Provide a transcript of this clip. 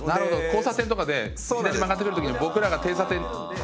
交差点とかで左曲がってくる時に僕らが。